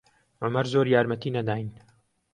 عومەر زۆر یارمەتی نەداین.